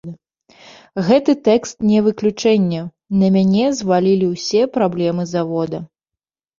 Гэты тэкст не выключэнне, на мяне звалілі ўсе праблемы завода.